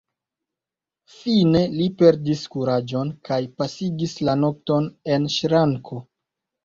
Fine li perdis kuraĝon kaj pasigis la nokton en ŝranko.